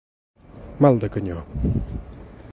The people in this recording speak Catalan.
Mal de canyó.